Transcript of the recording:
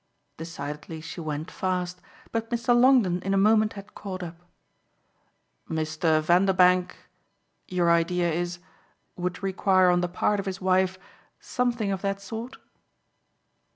Decidedly she went fast, but Mr. Longdon in a moment had caught up. "Mr. Vanderbank your idea is would require on the part of his wife something of that sort?"